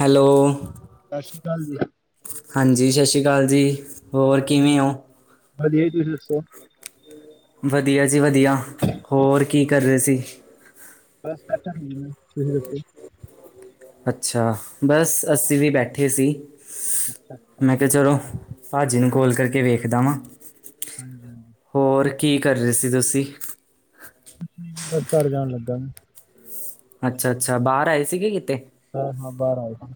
Hello ਸਾਸਰੀ ਕਾਲ ਜੀ। ਹਾਂਜੀ ਸਤਿ ਸ਼੍ਰੀ ਅਕਾਲ ਜੀ, ਹੋਰ ਕਿਵੇਂ ਓ? ਵਧੀਆ ਜੀ ਤੁਸੀਂ ਦੱਸੋ। ਵਧੀਆ ਜੀ ਵਧੀਆ, ਹੋਰ ਕੀ ਕਰ ਰਹੇ ਸੀ? ਬਸ [unintelligible] ਤੁਸੀਂ ਦੱਸੋ। ਅੱਛਾ, ਬਸ ਅਸੀਂ ਵੀ ਬੈਠੇ ਸੀ, ਅੱਛਾ ਅੱਛਾ ਮੈਂ ਕਿਹਾ ਚਲੋ ਭਾਜੀ ਨੂੰ ਕੋੋਲ ਕਰਕੇ ਵੇਖਦਾ ਵਾਂ। ਹਾਂਜੀ-ਹਾਂਜੀ ਹੋਰ ਕੀ ਕਰ ਰਹੇ ਸੀ ਤੁਸੀਂ? ਬਸ ਘਰ ਜਾਣ ਲੱਗਾ ਮੈਂ। ਅੱਛਾ-ਅੱਛਾ ਬਾਹਰ ਆਏ ਸੀਗੇ ਕਿਤੇ? ਹਾਂ-ਹਾਂ ਬਾਰ ਆਊਗਾ।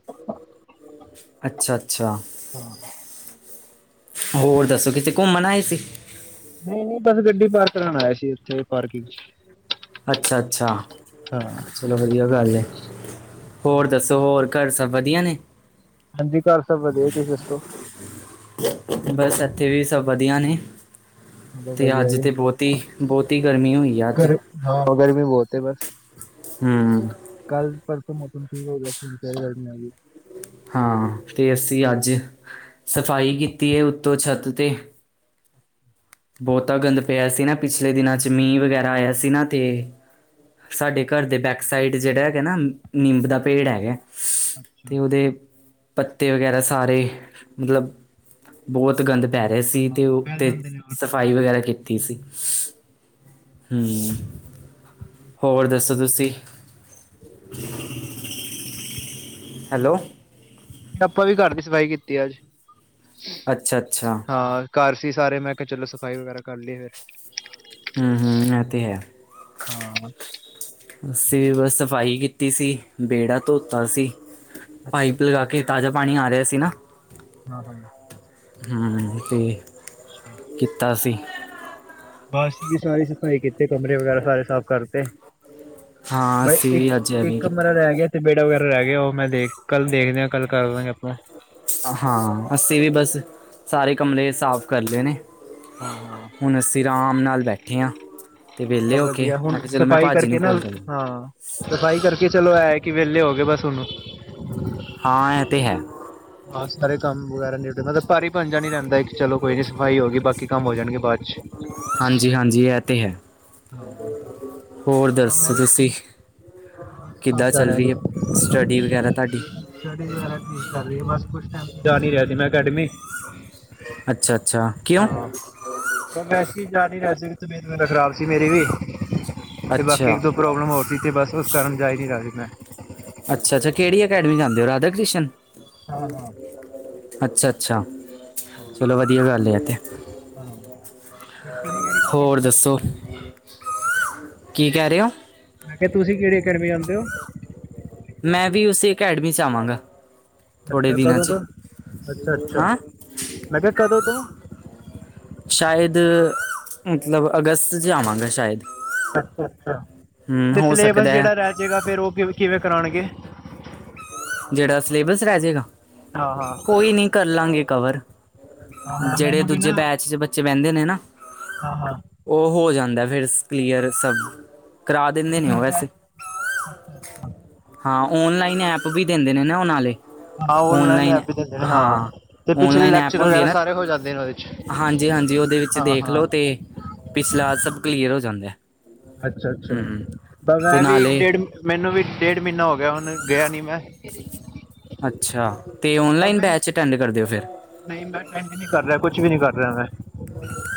ਅੱਛਾ-ਅੱਛਾ। ਹਾਂ ਹੋਰ ਦੱਸੋ ਕਿਤੇੇ ਘੁੰਮਣ ਆਏ ਸੀ? ਨਹੀਂ-ਨਹੀਂ ਬਸ ਗੱਡੀ ਪਾਰਕ ਕਰਣ ਆਇਆ ਸੀ ਉੱਥੇ ਪਾਰਕਿੰਗ ਚ। ਅੱਛਾ-ਅੱਛਾ, ਹਾਂ ਚਲੋ ਵਧੀਆ ਗੱਲ ਏ, ਹੋਰ ਹਾਂਜੀ ਦੱਸੋ ਹੋਰ। ਘਰ ਸਭ ਵਧੀਆ ਨੇ? ਹਾਂਜੀ ਘਰ ਸਬ ਵਧੀਆ ਤੁਸੀਂ ਦੱਸੋ। ਬਸ ਏਥੇ ਵੀ ਸਭ ਵਧੀਆ ਨੇ। ਚਲੋ ਤੇ ਵਧੀਆ ਅੱਜ ਜੀ ਤੇ ਬਹੁਤੀ ਬਹੁਤੀ ਗਰਮੀ ਹੋਈ ਆ ਅੱਜ। ਗਰ ਹਾਂ ਗਰਮੀ ਬਹੁਤ ਐ ਬਸ। ਹੂੰ। ਕੱਲ ਫੇਰ ਤੋਂ ਮੌਸਮ ਠੀਕ ਹੋ ਗਿਆ ਸੀ ਹੁਣ ਫੇਰ ਗਰਮੀ ਹੋਈ ਏ। ਹਾਂ ਤੇ ਅਸੀਂ ਅੱਜ ਸਫ਼ਾਈ ਕੀਤੀ ਐ ਓਤੋਂ ਛੱਤ ਤੇ ਬਹੁਤਾ ਗੰਦ ਪਿਆ ਸੀ ਨਾ ਪਿਛਲੇ ਦਿਨਾਂ ਚ ਮੀਂਹ ਵਗੈਰਾ ਆਇਆ ਸੀ ਨਾ ਤੇ ਸਾਡੇ ਘਰ ਦੇ ਬੈਕ ਸਾਈਡ ਜੇੜਾ ਹੈਗਾ ਨਾ ਨਿੰਮ ਦਾ ਪੇੜ ਹੈਗਾ। ਅੱਛਾ ਤੇ ਓਦੇ ਪੱਤੇ ਵਗੈਰਾ ਸਾਰੇ ਮਤਲਬ ਬਹੁਤ ਗੰਦ ਪੈ ਰਿਆ ਸੀ ਹਾਂ ਤੇ ਫੈਲ ਓਤੇ ਜਾਂਦੇ ਨੇ ਹੋਰ ਟੁੱਟ ਸਫ਼ਾਈ ਵਗੈਰਾ ਜਾਂਦੇ ਕੀਤੀ ਸੀ। ਹੂੰ, ਹੋਰ ਦੱਸੋ ਤੁਸੀਂ? ਹੈਲੋ। ਆਪਾਂ ਵੀ ਘਰ ਦੀ ਸਫ਼ਾਈ ਕੀਤੀ ਆ ਅੱਜ, ਅੱਛਾ ਅੱਛਾ ਹਾਂ। ਘਰ ਸੀ ਸਾਰੇ ਮੈਂ ਕਿਹਾ ਚਲੋ ਸਫ਼ਾਈ ਵਗੈਰਾ ਕਰ ਲਈਏ ਫੇਰ। ਹੂੰ-ਹੂੰ, ਐਹ ਤੇ ਹੈ। ਹਾਂ ਅਸੀਂ ਵੀ ਬਸ ਸਫ਼ਾਈ ਕੀਤੀ ਸੀ ਵੇਹੜਾ ਧੋਤਾ ਸੀ। ਅੱਛਾ ਪਾਈਪ ਲਗਾ ਅੱਛਾ ਕੇ ਤਾਜ਼ਾ ਪਾਣੀ ਆ ਰਿਹਾ ਸੀ ਨਾ। ਹਾਂ-ਹਾਂ। ਹੂੰ, ਤੇ ਅੱਛਾ ਕੀਤਾ ਸੀ। ਅਸੀ ਵੀ ਸਾਰੇ ਸਫ਼ਾਈ ਕੀਤੇ ਕਮਰੇ ਵਗੈਰਾ ਸਾਰੇ ਸਾਫ਼ ਕਰਤੇ। ਹਾਂ ਬਸ ਅਸੀਂ ਇੱਕ, ਵੀ ਅੱਜ ਇੱਕ ਐਵੇਂ ਕਮਰਾ ਕੀਤਾ ਰਹਿ ਗਿਆ। ਵੇਹੜਾ ਵਗੈਰਾ ਰਹਿ ਗਿਆ ਓ ਮੈਂ ਦੇਖ ਕੱਲ ਦੇਖਦੇ ਆ ਕੱਲ ਕਰ ਦਾਂਗੇ ਆਪਾ। ਹਾਂ ਅਸੀਂ ਵੀ ਬਸ ਸਾਰੇ ਕਮਰੇ ਸਾਫ਼ ਕਰ ਲਏ ਨੇ। ਹਾਂ ਹਾਂ ਹੁਣ ਅਸੀਂ ਰਾਮ ਨਾਲ ਬੈਠੇ ਆ। ਬਹੋ ਵਧੀਆ, ਹੁਣ ਸਫ਼ਾਈ ਕਰਕੇ ਨਾ, ਕੋਲ ਕਰੂੰ ਹਾਂ। ਸਫ਼ਾਈ ਕਰਕੇ ਚਲੋ ਐਹ ਆ ਕਿ ਵੇਹਲੇ ਹੋ ਗਏ ਬਸ ਹੁਣ। ਹਾਂ ਐਹ ਤੇ ਹੈ। ਹਾਂ ਸਾਰੇ ਕੰਮ ਵਗੈਰਾ ਨਿਪਟ ਨਾ ਤਾ ਭਾਰੀ ਭੰਨ ਨੀ ਰਹਿੰਦਾ ਕੀ ਚਲੋ ਕੋਈ ਨੀ ਸਫਾਈ ਹੋ ਗਈ ਬਾਕ ਕੀ ਕੰਮ ਹੋ ਜਾਣਗੇ ਬਾਅ ਚ। ਹਾਂਜੀ-ਹਾਂਜੀ, ਐਹ ਤੇ ਹੈ। ਹਾਂ। ਹੋਰ ਬਸ ਦੱਸੋ ਮੈਂ ਤੁਸੀਂ, ਬਸ ਕਿੱਦਾਂ ਕਰਦਾ ਚੱਲ ਰਹੀ ਰਿਹਾ ਐਸਟੱਡੀ ਵਗੈਰਾ ਤਾਡੀ? ਸਟੱਡੀ ਵਗੈਰਾ ਠੀਕ ਚਲ ਰਹੀ ਐ ਬਸ ਕੁਛ ਟੈਮ ਜਾ ਨੀ ਰਿਹਾ ਤੀ ਮੈਂ ਅਕੈਡਮੀ। ਅੱਛਾ-ਅੱਛਾ, ਕਿਉਂ? ਹਾਂ ਬਸ ਵੈਸੀ ਜਾ ਨੀ ਰਿਹਾ ਸੀ [unintelligible] ਤਬੀਅਤ ਵਗੈਰਾ ਖ਼ਰਾਬ ਸੀ ਮੇਰੀ ਵੀ। ਤੇ ਬਾਕੀ ਅੱਛਾ ਇੱਕ-ਦੋ ਪ੍ਰੋਬਲਮ ਹੋਰ ਸੀ ਤੇ ਬਸ ਓਸ ਕਾਰਨ ਜਾਈ ਨੀ ਰਿਹਾ ਸੀ ਮੈਂ। ਅੱਛਾ-ਅੱਛਾ, ਕੇਹੜੀ ਅਕੈਡਮੀ ਜਾਂਦੇ ਓ ਰਾਧਾ ਕ੍ਰਿਸ਼ਨ? ਹਾਂ ਹਾਂ ਅੱਛਾ-ਅੱਛਾ, ਹਾਂ ਚਲੋ ਵਧੀਆ ਗੱਲ ਏ ਐਹ ਤੇ। ਹਾਂ। ਹੋਰ ਤੁਸੀਂ ਕੇਹੜ ਹੋਰ ਦੱਸੋ, ਕੀ ਕਹਿ ਰੇ ਓ? ਮੈਂ ਕਿਹਾ ਤੁਸੀਂ ਕਿਹੜੇ ਅਕੈਡਮੀ ਜਾਂਦੇ ਓ? ਮੈਂ ਵੀ ਓਸੇ ਅਕੈਡਮੀ ਚ ਆਵਾਂਗਾ। ਥੋੜੇ ਅੱਛਾ, ਦਿਨਾਂ ਕਦੋਂ ਚ ਤੋਂ, ਅੱਛਾ-ਅੱਛਾ, ਹਾਂ ਮੈਂ ਕਿਹਾ ਕਦੋਂ ਤੋਂ? ਸ਼ਾਇਦ ਮਤਲਬ ਅਗਸਤ ਚ ਆਵਾਂਗਾ ਸ਼ਾਇਦ ਅੱਛਾ-ਅੱਛਾ, ਹਮ ਤੇ ਹੋ ਸਿਲੇਬਸ ਸਕਦਾ ਹੈ ਜਿਹੜਾ ਰਹਿ ਜੇਗਾ ਫੇਰ ਉਹ ਕਿ ਕਿਵੇਂ ਕਰਾਣਗੇ। ਜਿਹੜਾ ਸਿਲੇਬਸ ਰਹਿ ਜੇਗਾ, ਹਾਂ ਹਾਂ ਕੋਈ ਨੀ ਕਰ ਲਾਗੇ ਕਵਰ, ਹਾਂ ਹਾਂ ਜਿਹੜੇ ਮੈਨੂੰ ਵੀ ਦੂਜੇ ਨਾ ਬੈਚ ਚ ਬੱਚੇ ਬਹਿੰਦੇ ਨੇ ਨਾ, ਹਾਂ ਹਾਂ ਉਹ ਹੋ ਜਾਂਦਾ ਫਿਰ ਕਲੀਅਰ ਸਭ, ਕਰਾ ਦਿੰਦੇ ਨੇ ਉਹ ਮਤਲਬ ਵੈਸੇ, ਬੈਚ ਅੱਛਾ ਅੱਛਾ ਹਾਂ ਔਨਲਾਈਨ ਐਪ ਵੀ ਦਿੰਦੇ ਨੇ ਨਾ ਉਨਾਂ ਲਈ ਹਾਂ ਔਨਲਾਈਨ ਐਪ ਵੀ ਦਿੰਦੇ ਨੇ ਹਾਂ, ਤੇ ਪਿਛਲੇ ਲੈਕਚਰ ਵਗੈਰਾ ਸਾਰੇ ਹੋ ਜਾਂਦੇ ਨੇ ਉਹਦੇ ਚ ਹਾਂਜੀ-ਹਾਂਜੀ, ਉਹਦੇ ਵਿੱਚ ਹਾਂ ਦੇਖ ਹਾਂ ਲਓ ਤੇ ਪਿਛਲਾ ਸਭ ਕਲੀਅਰ ਹੋ ਜਾਂਦਾ। ਅੱਛਾ-ਅੱਛਾ, ਹਮ ਪਰ ਤੇ ਮੈਂ ਵੀ ਇੱਕ ਨਾਲੇ ਡੇਢ ਮੈਨੂੰ ਵੀ ਡੇਢ ਮਹੀਨਾ ਹੋ ਗਿਆ ਹੁਣ ਗਿਆ ਨੀ ਮੈਂ, ਅੱਛਾ, ਤੇ ਪਰ ਔਨਲਾਈਨ ਮੈਂ ਬੈਚ ਅਟੈਂਡ ਕਰ ਦਿਓ ਫਿਰ, ਨਹੀਂ ਮੈਂ ਅਟੈਂਡ ਨੀ ਕਰ ਰਿਹਾ ਕੁਛ ਵੀ ਨੀ ਕਰ ਰਿਹਾ ਮੈਂ।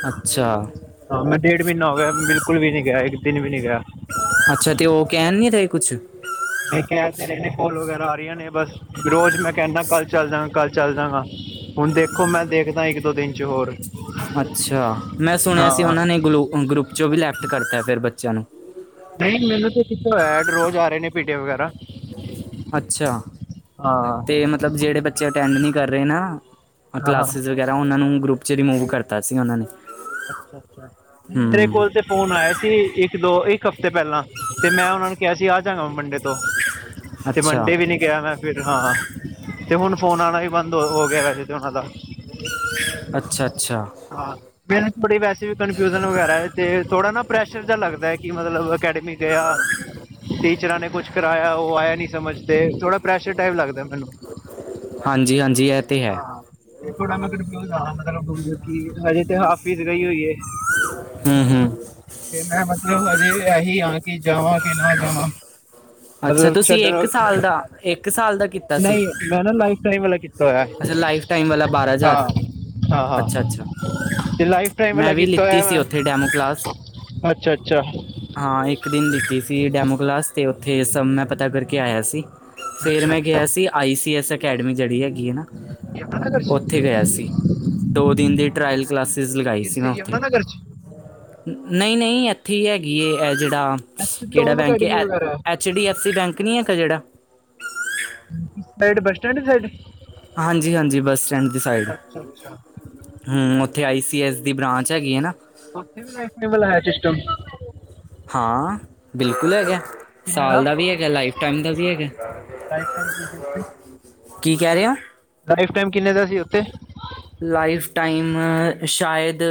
ਅੱਛਾ ਹਾਂ ਮੈਂ ਡੇਢ ਮਹੀਨਾ ਹੋ ਗਿਆ ਬਿਲਕੁਲ ਵੀ ਨੀ ਗਿਆ ਇੱਕ ਦਿਨ ਵੀ ਨੀ ਗਿਆ ਅੱਛਾ ਤੇ ਉਹ ਕਹਿਣ ਨੀ ਰਹੇ ਕੁਛ, ਮੈਂ ਕਹਿ ਰਹੇ ਨੇ ਕਾੱਲ ਵਗੈਰਾ ਆ ਰਹੀਆ ਨੇ ਬਸ। ਰੋਜ਼ ਮੈਂ ਕਹਿੰਦਾ ਕੱਲ ਚੱਲਦਾ, ਕੱਲ ਚੱਲਦਾ। ਹੁਣ ਦੇਖੋ ਮੈਂ ਦੇਖਦਾ ਇੱਕ ਦੋ ਦਿਨ ਚ ਹੋਰ, ਅੱਛਾ, ਮੈਂ ਸੁਣਿਆ ਸੀ ਹਾਂ ਉਹਨਾਂ ਨੇ ਗਲੂ ਗਰੁੱਪ ਚੋਂ ਵੀ ਲੈਫਟ ਕਰਤਾ ਫਿਰ ਬੱਚਿਆਂ ਨੂੰ। ਨਹੀਂ ਮੈਨੂੰ ਤੇ ਕਿੱਥੋਂ ਐਡ ਰੋਜ਼ ਆ ਰਹੇ ਨੇ ਪੀਡੇ ਵਗੈਰਾ ਅੱਛਾ, ਹਾਂ ਤੇ ਮਤਲਬ ਜਿਹੜੇ ਬੱਚੇ ਅਟੈਂਡ ਨਹੀਂ ਕਰ ਰਹੇ ਨਾ ਹਾਂ ਹਾਂ ਕਲਾਸਿਸ, ਵਗੈਰਾ ਉਹਨਾਂ ਨੂੰ ਗਰੁੱਪ ਚ ਰਿਮੂਵ ਕਰਤਾ ਸੀ ਉਹਨਾਂ ਨੇ। ਅੱਛਾ-ਅੱਛਾ, ਨੲੀ ਮੇਰੇ ਹੂੰ ਕੋਲ ਤੇ ਫੋਨ ਆਏ ਸੀ ਇੱਕ ਦੋ ਇੱਕ ਹਫ਼ਤੇ ਪਹਿਲਾਂ ਤੇ ਮੈਂ ਉਹਨਾਂ ਨੂੰ ਕਿਹਾ ਸੀ ਆ ਜਾਗਾ ਮੰਡੇ ਤੋਂ। ਤੇ ਅੱਛਾ ਮੰਡੇ ਵੀ ਨੀ, ਕਿਹਾ ਮੈਂ ਫਿਰ ਹਾਂ, ਤੇ ਹੁਣ ਫੋਨ ਆਉਣਾ ਵੀ ਬੰਦ ਹੋ ਹੋ ਗਿਆ ਵੈਸੇ ਤੇ ਉਹਨਾਂ ਦਾ। ਅੱਛਾ-ਅੱਛਾ। ਹਾਂ। ਮੈਨੂੰ ਬੜੀ ਵੈਸੇ ਵੀ ਕਨਫਿਊਜਨ ਵਗੈਰਾ ਤੇ ਥੋੜਾ ਨਾ ਪ੍ਰੈਸ਼ਰ ਜਿਹਾ ਲੱਗਦਾ ਹੈ ਕਿ ਮਤਲਬ ਅਕੈਡਮਿਕ ਗਿਆ। ਟੀਚਰਾਂ ਨੇ ਕੁਛ ਕਰਾਇਆ ਉਹ ਆਇਆ ਨੀ ਸਮਝ ਤੇ ਥੋੜਾ ਪ੍ਰੈਸ਼ਰ ਟਾਈਪ ਲੱਗਦਾ ਮੈਨੂੰ। ਹਾਂਜੀ-ਹਾਂਜੀ ਐ, ਹਾਂ। ਥੋੜਾ ਮਦਦ ਮਤਲਬ ਹਜੇ ਤੇ ਹਾਫੀਜ਼ ਗਈ ਹੋਈ ਹੈ। ਹੂੰ-ਹੂੰ। ਤੇ ਮੈਂ ਮਤਲਬ ਅਜੇ ਇਹੀ ਹਾਂ ਕਿ ਜਾਵਾ ਕਿ ਨਾ ਜਾਵਾ। ਅੱਛਾ ਮਤਲਬ ਤੁਸੀਂ ਛੱਡਣ, ਇੱਕ ਸਾਲ ਦਾ ਇੱਕ ਸਾਲ ਦਾ ਕੀਤਾ ਸੀ ਨਹੀਂ ਮੈਂ ਨਾ ਲਾਈਫ ਟਾਈਮ ਵਾਲਾ ਕੀਤਾ ਹੋਇਆ। ਅੱਛਾ ਲਾਈਫ ਟਾਈਮ ਵਾਲਾ ਬਾਰਾਂ ਹਜ਼ਾਰ ਹਾਂ ਹਾਂ ਅੱਛਾ ਅੱਛਾ ਹਾਂ ਲਾਈਫ ਟਾਈਮ ਮੈਂ ਵਾਲਾ ਵੀ ਕੀਤਾ ਲਿੱਤੀ ਹੋਇਆ ਸੀ ਮੈਂ। ਉੱਥੇ ਡੈਮੋ ਕਲਾਸ ਅੱਛਾ-ਅੱਛਾ। ਹਾਂ ਇੱਕ ਦਿਨ ਦਿੱਤੀ ਸੀ ਡੈਮੋ ਕਲਾਸ ਤੇ ਉੱਥੇ ਸਭ ਮੈਂ ਪਤਾ ਕਰਕੇ ਆਇਆ ਸੀ। ਫੇਰ ਮੈਂ ਗਿਆ ਸੀ ਆਈ ਸੀ ਐਸ ਅਕੈਡਮੀ ਜਿਹੜੀ ਹੈਗੀ ਹੈ ਨਾ। ਉੱਥੇ ਗਿਆ ਸੀ, ਦੋ ਦਿਨ ਦੀ ਟਰਾਇਲ ਕਲਾਸਿਸ ਲਗਾਈ ਸੀ ਮੈਂ ਉੱਥੇ। ਨਈ-ਨਈ ਏਥੇ ਹੀ ਹੈਗੀ ਏ ਇਹ ਜਿਹੜਾ, ਇੱਥੇ ਵੀ ਕਿਹੜਾ ਓਮ ਬੈਂਕ ਏ ਅਕੈਡਮੀ ਐ ਵਗੈਰਾ ਹੈ H D F C bank ਨੀ ਹੈਗਾ ਕ ਜਿਹੜਾ। [unintelligible] ਬੱਸ ਸਟੈਂਡ, ਹਾਂਜੀ-ਹਾਂਜੀ ਬੱਸ ਸਟੈਂਡ ਦੀ ਸਾਈਡ। ਅੱਛਾ ਅੱਛਾ ਹੁ, ਉੱਥੇ ਆਈ ਸੀ ਐਸ ਦੀ ਬ੍ਰਾਂਚ ਹੈਗੀ ਐ ਨਾ। ਉੱਥੇ ਵੀ [unintelligible] ਸਿਸਟਮ। ਹਾਂ‌। ਬਿਲਕੁਲ ਹੈਗਾ। ਸਾਲ ਦਾ ਵੀ ਹੈਗਾ, ਲਾਈਫ ਟਾਈਮ ਦਾ ਵੀ ਹੈਗਾ। ਕਿਸੇ ਉਤੇ ਕਿ ਕਹਿ ਰਏ ਓ? ਲਾਈਫ਼ ਟਾਈਮ ਕਿੰਨੇ ਦਾ ਸੀ ਉੱਥੇ? ਲਾਈਫ ਟਾਈਮ ਸ਼ਾਇਦ,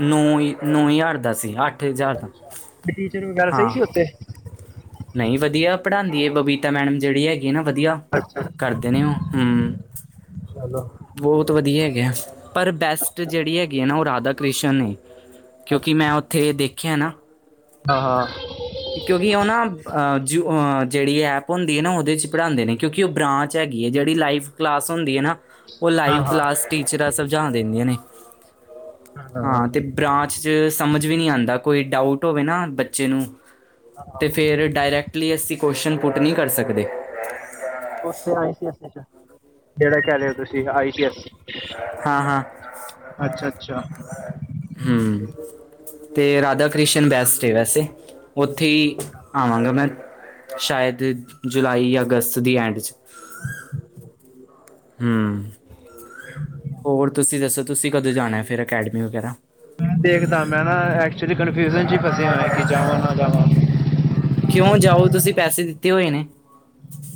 ਨੌ-ਨੌ ਹਜ਼ਾਰ ਦਾ ਸੀ। ਅੱਠ ਹਜ਼ਾਰ ਦਾ ਅੱਛਾ, ਟੀਚਰ ਨੂ [unintelligible] ਪਈ ਹਾਂ ਸੀ ਉੱਥੇ? ਨਹੀਂ ਵਧੀਆ ਪੜਾਦੀ ਏ ਬਬੀਤਾ ਮੈਡਮ ਜਿਹੜੀ ਹੈਗੀ ਆ ਨਾ ਵਧੀਆ ਅੱਛਾ ਅੱਛਾ ਕਰਦੇ ਨੇ, ਉ, ਹਮ। ਚਲੋ ਬੌਤ ਵਧੀਆ ਹੈਗੇਆ, ਪਰ ਬੈਸਟ ਜਿਹੜੀ ਹੈਗੀ ਆ ਨਾ ਓ ਰਾਧਾ -ਕ੍ਰਿਸ਼ਨ ਏ। ਕਿਉਂਕਿ ਮੈਂ ਉੱਥੇ ਐ ਦੇਖਿਆ ਨਾ ਅਅ। ਕਿਉਂਕਿ ਓਨਾ [unintelligible] ਜਿਹੜੀ ਐਪ ਹੁੰਦੀ ਹੈ ਨਾ ਉਹਦੇ ਚ ਪੜਾੱਦੇ ਨੇ ਕਿਉਂਕਿ ਉਹ ਬ੍ਰਾਂਚ ਚ ਹੈਗੀ ਐ ਜਿਹੜੀ ਲਾਈਵ ਕਲਾਸ ਹੁੰਦੀ ਐ ਨਾ ਉਹ ਹਾਂ ਲਾਈਵ ਕਲਾਸ ਟੀਚਰਾਂ ਸਮਝਾ ਦੇਦੀਆਂ ਨੇ। ਹਾਂ ਤੇ ਬ੍ਰਾਂਚ ਚ, ਸਮਝ ਵੀ ਨੀ ਆੱਦਾ ਕੋਈ ਡਾਊਟ ਹੋਵੇ ਨਾ ਬੱਚੇ ਨੂੰ ਹਾਂ ਤੇ ਫੇਰ ਡਾਇਰੈਕਟਲੀ ਅਸੀਂ ਕੋਇਸ਼ਨ ਪੁੱਟ ਨਹੀਂ ਕਰ ਸਕਦੇ। [unintelligible] ਜਿਹੜਾ ਕਹਿ ਰਹੇਓ ਤੁਸੀਂ ਆਈ ਸੀ ਏਫ। ਹਾਂ- ਹਾਂ। ਅੱਛਾ ਹਮ, ਤੇ ਰਾਧਾ- ਚੱਲ, ਕ੍ਰਿਸ਼ਨ ਬੈਸਟ ਐ ਵੈਸੇ। ਉੱਥੇ ਹੀ ਆਵਾਂਗਾ ਮੈਂ ਸ਼ਾਇਦ ਜੁਲਾਈ ਯਾ ਅਗਸਤ ਦੀ ਐਂਡ 'ਚ। ਹਮ, ਹੋਰ ਤੁਸੀਂ ਦੱਸੋ ਤੁਸੀਂ ਕਦੋਂ ਜਾਣਾ ਫੇਰ ਅਕੈਡਮੀ ਵਗੈਰਾ? ਮੈਂ ਦੇਖਦਾ ਮੈਂ ਨਾ, ਐਕਚੁਲੀ ਕਨਫਿਊਜਨ ਚ ਹੀ ਫਸਿਆ ਹੋਇਆ ਕਿ ਜਾਵਾਂ ਨਾ ਜਾਵਾਂ। ਕਿਉਂ ਜਾਓ ਤੁਸੀਂ ਪੈਸੇ ਦਿੱਤੇ ਹੋਏ ਨੇ?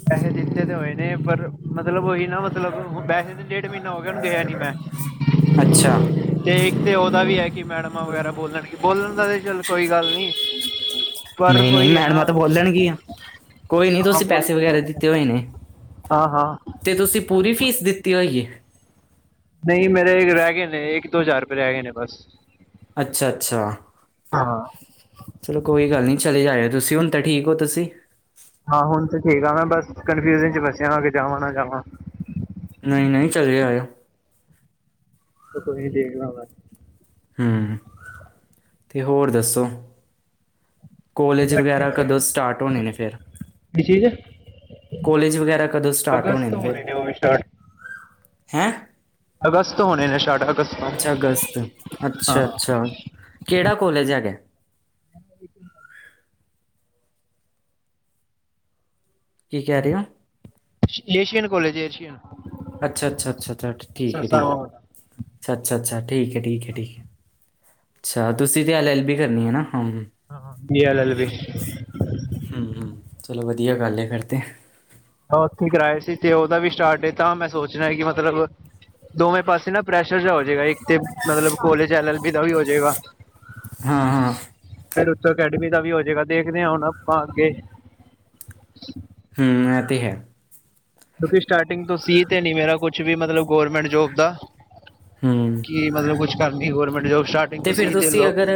ਪੈਸੇ ਦਿੱਤੇ ਤੇ ਹੋਏ ਨੇ ਪਰ, ਮਤਲਬ ਉਹੀ ਨਾ ਮਤਲਬ ਪੈਸੇ ਦੇ ਡੇਢ ਢ ਮਹੀਨਾ ਹੋ ਗਿਆ ਹੁਣ ਗਿਆ ਨੀ ਮੈਂ। ਅੱਛਾ ਤੇ ਇੱਕ ਤੇ ਉਹਦਾ ਵੀ ਐ ਕਿ ਮੈਡਮਾਂ ਵਗੈਰਾ ਬੋਲਣਗੇ, ਬੋਲਣ ਦਾ ਤੇ ਚੱਲ ਕੋਈ ਗੱਲ ਨੀ। ਨਹੀਂ -ਨਹੀਂ ਮੈਡਮਾਂ ਤਾਂ ਬੋਲਣਗੀਆਂ, ਕੋਈ ਨੀ ਤੁਸੀਂ ਪੈਸੇ ਵਗੈਰਾ ਦਿੱਤੇ ਹੋਏ ਨੇ। ਹਾਂ-ਹਾਂ। ਤੇ ਤੁਸੀਂ ਪੂਰੀ ਫੀਸ ਦਿੱਤੀ ਹੋਈ ਐ? ਨਹੀਂ ਮੇਰੇ ਰਹਿ ਗਏ ਨੇ ਇੱਕ- ਦੋ ਹਜ਼ਾਰ ਰੁਪਏ ਰਹਿ ਗਏ ਨੇ ਬਸ। ਅੱਛਾ-ਅੱਛਾ। ਹਾਂ ਚਲੋ ਕੋਈ ਗੱਲ ਨਹੀਂ ਚਲੇ ਜਾਇਓ ਤੁਸੀਂ ਹੁਣ ਤਾਂ ਠੀਕ ਓ ਤੁਸੀਂ? ਹਾਂ ਹੁਣ ਤੇ ਠੀਕ ਆ ਮੈਂ ਬਸ, ਕਨਫਿਊਜਨ ਚ ਫਸਿਆ ਵਾ ਕਿ ਜਾਵਾਂ ਨਾ ਜਾਵਾਂ? ਨਈ-ਨਈ ਚਲੇ ਜਾਇਓ। ਤੇ ਕੋਈ ਨੀ ਦੇਖਨਾ ਮੈਂ। ਹਮ, ਤੇ ਹੋਰ ਦੱਸੋ? ਕੋਲੇਜ ਵਗੈਰਾ ਕਦੋਂ ਸਟਾਰਟ ਹੋਣੇ ਨੇ ਫੇਰ? ਕੋਲੇਜ ਵਗੈਰਾ ਕਦੋਂ ਸਟਾਰਟ ਹੋਣੇ ਨੇ ਫੇਰ, ਹੈਂ? ਅਗਸਤ ਤੋਂ ਹੋਣੇ ਨੇ ਸਟਾਰਟ, ਅਗਸਤ ਅੱਛਾ ਅਗਸਤ। ਅੱਛਾ-ਅੱਛਾ। ਕਿਹੜਾ ਕੋਲੇਜ ਹੈਗੇ? [inaudible] ਕੀ ਕਹਿ ਰਹੇ ਓ? ਏਸ਼ੀਅਨ ਕੋਲੇਜ ਏ ਏਸ਼ੀਆ। ਅੱਛਾ- ਅੱਛਾ-ਅੱਛਾ ਠੀਕ ਅ ਠੀਕ ਅੱਛਾ-ਅੱਛਾ- ਅੱਛਾ ਠੀਕ ਹੈ, ਠੀਕ ਹੈ, ਠੀਕ ਅੱਛਾ ਤੁਸੀਂ ਤੇ ਐਲ ਐਲ ਬੀ ਕਰਨੀ ਹੈ ਨਾ? ਹਾਂ ਬੀ-ਏ ਅਲ-ਅਲ-ਬੀ। ਹਮ ਹਮ ਚਲੋ ਵਧੀਆ ਗੱਲ ਫੇਰ ਤੇ ਉਥੇ ਕਰਾਏ ਸੀ ਤੇ ਉਹਦਾ ਵੀ ਸਟਾਰਟ ਏ ਤਾ ਮੈਂ ਸੋਚ ਰਯਾ ਸੀ ਕਿ ਮਤਲਬ ਦੋਵੇਂ ਪਾਸੇ ਨਾ ਪ੍ਰੈਸ਼ਰ ਜਿਹਾ ਹੋਜੇਗਾ ਇੱਕ ਤੇ ਮਤਲਬ ਕੋਲੇਜ ਐਲ ਐਲ ਬੀ ਦਾ ਵੀ ਹੋ ਜੇਗਾ। ਹਾਂ -ਹਾਂ ਫਿਰ ਉਥੋਂ ਅਕੈਡਮੀ ਦਾ ਵੀ ਹੋਜੇਗਾ ਦੇਖਨੇ ਆ ਹੁਣ ਆਪਾਂ ਅੱਗੇ ਹਮ ਅ ਤੇ ਹੈ ਕਿਉਂਕਿ ਸਟਾਰਟਿੰਗ ਤੋਂ ਸੀ ਤੇ ਨੀ ਮੇਰਾ ਕੁਛ ਵੀ ਮਤਲਬ ਗੌਰਮੈਂਟ ਜੋਬ ਦਾ। ਹਮ ਕਿ ਮਤਲਬ ਕੁਛ ਕਰਨੀ ਗੌਰਮੈਂਟ ਜੋਬ ਸਟਾਰਟ ਤੇ ਫੇਰ ਤੁਸੀਂ ਅਗਰ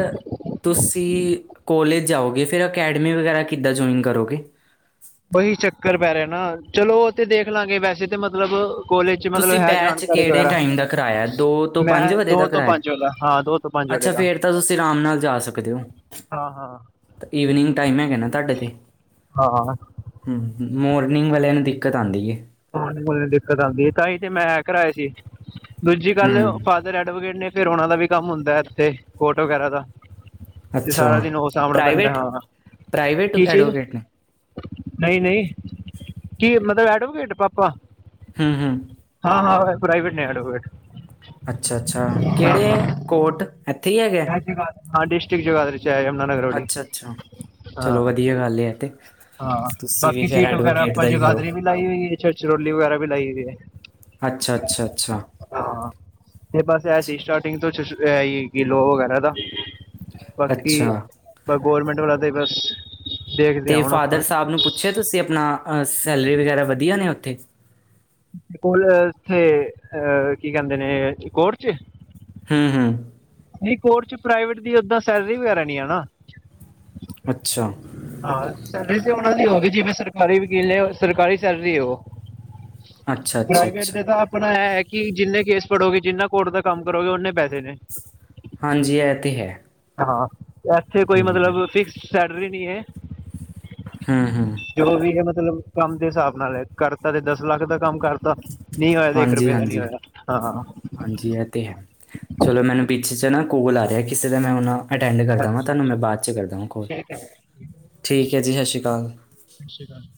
ਤੁਸੀਂ ਕੋਲੇਜ ਜਾਓਗੇ ਫਿਰ ਅਕੈਡਮੀ ਵਗੈਰਾ ਕਿੱਦਾਂ ਜੁਆਇਨ ਕਰੋਗੇ? ਓਹੀ ਚੱਕਰ ਪੈ ਰਿਹਾ ਨਾ ਚਲੋ ਉਹ ਤੇ ਦੇਖ ਲਾਂਗੇ ਵੈਸੇ ਤੇ ਮਤਲਬ ਕੋਲੇਜ ਚ ਮਤਲਬ ਤੁਸੀਂ ਹੈ ਬੈਚ ਜਾਣਕਾਰੀ ਕਿਹੜੇ ਵਗੈਰਾ ਟਾਈਮ ਦਾ ਕਰਾਇਆ ਦੋ ਤੋਂ ਮੈਂ ਪੰਜ ਵਜੇ ਦੋ ਦਾ ਤੋਂ ਕਰਾਇਆ ਪੰਜ ਓਦਾ ਅੱਛਾ ਫੇਰ ਤਾਂ ਤੁਸੀਂ ਆਰਾਮ ਨਾਲ ਜਾ ਸਕਦੇ ਓ। ਹਾਂ ਹਾਂ ਈਵਨਿੰਗ ਟਾਈਮ ਹੈਗਾ ਨਾ ਤਾਡੇ ਤੇ ਹਾਂ ਹਮ ਹ ਮੋਰਨਿੰਗ ਵਾਲਿਆਂ ਨੂੰ ਦਿੱਕਤ ਆਂਦੀ ਏ। ਦਿੱਕਤ ਆਦੀ ਏ ਤਾਂ ਹੀ ਤੇ ਮੈਂ ਏਹ ਕਰਵਾਏ ਸੀ ਦੂਜੀ ਗੱਲ ਹੂੰ ਧਰ ਐਡਵੋਕੇਟ ਨੇ ਫੇਰ ਉਹਨਾਂ ਦਾ ਵੀ ਕੰਮ ਹੁੰਦਾ ਹੈ ਇੱਥੇ ਕੋਰਟ ਵਗੈਰਾ ਦਾ। ਤੇ ਅੱਛਾ ਸਾਰਾ ਦਿਨ ਓ ਸਾਮਨਾ ਪੈਂਦਾ ਪ੍ਰਾਈਵੇਟ ਹਾਂ ਪ੍ਰਾਈਵੇਟ ਕੀ ਚੀਜ਼ ਐਡਵੋਕੇਟ ਨੇ ਨਈ ਨਈ ਕੀ ਮਤਲਬ ਐਡਵੋਕੇਟ ਪਾਪਾ? ਹਮ ਹ ਹਾਂ-ਹਾਂ ਪ੍ਰਾਈਵੇਟ ਨੇ ਐਡਵੋਕੇਟ ਅੱਛਾ ਅੱਛਾ ਹਾਂ ਹਾਂ ਕਿਹੜੇ ਕੋਟ ਇੱਥੇ ਹੀ ਹੈਗੇ ਇਹ ਹਾਂ ਡਿਸਟ੍ਰਿਕਟ ਜਗਾਦਰੀ ਚ ਯਮੁਨਾਾਨਗਰ ਵਾਲੀ ਅੱਛਾ ਅੱਛਾ ਚਲੋ ਹਾਂ। ਵਧੀਆ ਗੱਲ ਹੈ ਤੇ ਹਾਂ ਤੁਸੀਂ ਵੀ ਬਾਕੀ ਫਿਰ ਸੀਟ ਵਗੈਰਾ ਐਡਵੋਕੇਟ ਆਪਾਂ ਦਾ ਹੀ ਕਰੋ ਜਗਾਦਰੀ ਵੀ ਲਾਈ ਹੋਈ ਏ ਛਛਰੋਲੀ ਵਗੈਰਾ ਵੀ ਲਾਈ ਹੋਈ ਏ। ਅੱਛਾ-ਅੱਛਾ-ਅੱਛਾ ਹਾਂ ਤੇ ਬਸ ਐ ਰੀ ਸਟਾਰਟਿੰਗ ਤੋਂ ਕਿ ਲੋ ਵਗੈਰਾ ਦਾ। ਬਾਕੀ, ਅੱਛਾ ਗ ਗੌਰਮੈਂਟ ਵਾਲਾ ਤੇ ਬਸ ਦੇਖਦੇ ਹਾਂ ਤੇ ਹੁਣ ਫਾਦਰ ਆਪਾਂ ਸਾਬ ਨੂੰ ਪੁੱਛਿਆ ਤੁਸੀਂ ਆਪਣਾ ਸੈਲਰੀ ਵਗੈਰਾ ਵਧੀਆ ਨੇ ਉੱਥੇ? ਕੋਲ ਇਥੇ ਅਹ ਕੀ ਕਹਿੰਦੇ ਨੇ ਕੋਰਟ ਚ? ਹਮ ਹ ਨਈ ਕੋਰਟ ਚ ਪ੍ਰਾਈਵੇਟ ਦੀ ਓਦਾਂ ਸੈਲਰੀ ਵਗੈਰਾ ਨੀ ਹੈ ਨਾ ਅੱਛਾ ਹਾਂ ਸੈਲਰੀ ਤੇ ਉਨਾਂ ਦੀ ਓ ਵੇ ਜਿਵੇਂ ਸਰਕਾਰੀ ਵਕੀਲ ਨੇ ਸਰਕਾਰੀ ਸੈਲਰੀ ਓ। ਅੱਛਾ ਅੱਛਾ ਪ੍ਰਾਈਵੇਟ ਅੱਛਾ ਦੇ ਤਾਂ ਆਪਨਾ ਇਹ ਹੈ ਕਿ ਜਿੰਨੇ ਕੇਸ ਪੜ੍ਹੋਗੇ ਜਿੰਨਾ ਕੋਰਟ ਦਾ ਕੰਮ ਕਰੋਗੇ ਓਨੇ ਪੈਸੇ ਨੇ। ਹਾਂਜੀ ਏਹ ਤੇ ਹੈ। ਹਾਂ ਏਥੇ ਕੋਈ ਹੂੰ ਹੂੰ ਮਤਲਬ ਫਿਕਸਡ ਸੈਲਰੀ ਨੀ ਏ। ਹਮ ਹਮ ਜੋ ਵੀ ਹੈ ਮਤਲਬ ਕੰਮ ਦੇ ਹਿਸਾਬ ਨਾਲ ਹ। ਕਰਤਾ ਤੇ ਦਸ ਲੱਖ ਦਾ ਕੰਮ ਕਰ ਨੀ ਹੋਇਆ ਤੇ ਇੱਕ ਰੁਪਏ ਹਾਂਜੀ ਦਾ ਨੀ ਹਾਂਜੀ ਹੋਇਆ ਹਾਂ - ਹਾਂ। ਹਾਂਜੀ ਇਹ ਤਾਂ ਹੈ, ਚਲੋ ਮੈਨੂੰ ਪਿੱਛੇ ਸੇ ਨਾ ਕੌਲ ਆ ਰਿਹਾ ਕਿਸੇ ਦਾ, ਮੈਂ ਉਹ ਨਾ। ਅਟੈਂਡ ਕਰਦਾ ਵਾਂ ਅੱਛਾ ਤਾਨੂੰ ਮੈਂ ਅੱਛਾ ਬਾਅਦ ਚ ਕਰਦਾ ਵਾਂ ਕੋਲ ਠੀਕ ਹੈ ਸਤਿ ਠੀਕ ਹੈ ਜੀ ਸਤਿ ਸ੍ਰੀ ਆਕਾਲ। ਸ਼ ਸੀ੍ ਕਾਲ।